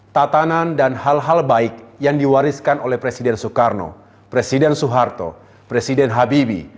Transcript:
tatanan dan hal hal baik yang diwariskan oleh presiden soekarno presiden soeharto presiden habibi